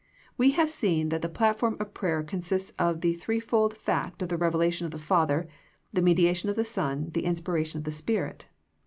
We have seen that the platform of prayer consists of the threefold fact of the revelation of the Father, the mediation of the Son, the inspiration of the Spirit.